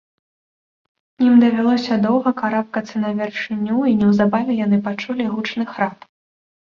Ім давялося доўга карабкацца на вяршыню, і неўзабаве яны пачулі гучны храп.